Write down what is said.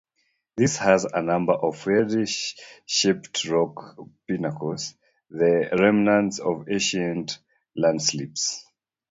This has a number of weirdly shaped rock pinnacles, the remnants of ancient landslips.